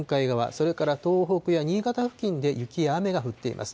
それから東北や新潟付近で雪や雨が降っています。